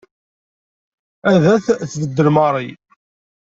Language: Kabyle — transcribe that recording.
Ad t-tbeddel Mary.